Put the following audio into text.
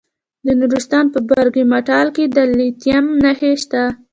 د نورستان په برګ مټال کې د لیتیم نښې شته.